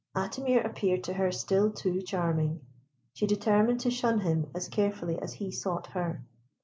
Atimir appeared to her still too charming. She determined to shun him as carefully as he sought her.